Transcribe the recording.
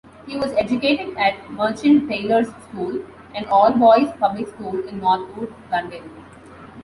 He was educated at Merchant Taylors' School, an all-boys public school in Northwood, London.